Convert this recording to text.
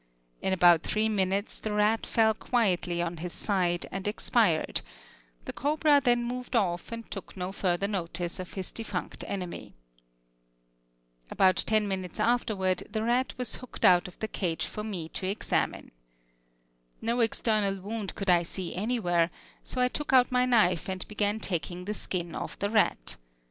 In about three minutes the rat fell quietly on his side and expired; the cobra then moved off and took no further notice of his defunct enemy. About ten minutes afterward the rat was hooked out of the cage for me to examine. No external wound could I see anywhere, so I took out my knife and began taking the skin off the rat.